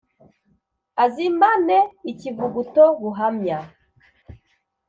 Azimane ikivuguto buhamya